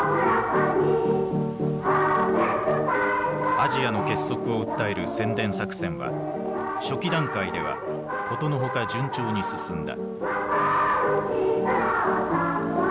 アジアの結束を訴える宣伝作戦は初期段階では殊の外順調に進んだ。